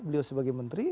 beliau sebagai menteri